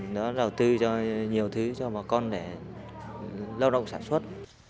nó đầu tư cho nhiều thứ cho bà con để lau động sản xuất